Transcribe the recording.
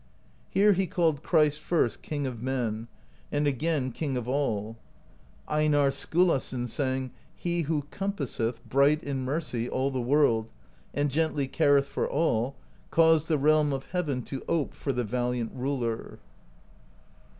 Here he called Christ, first. King of Men, and again, King of All. Einarr Skiilason sang: He who compasseth. Bright in Mercy, All the world, and gently careth For all, caused the realm of Heaven To ope for the valiant ruler.